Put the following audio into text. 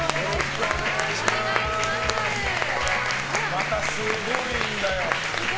また、すごいんだよ。